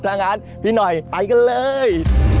ทางอาจพี่หน่อยไปกันเลย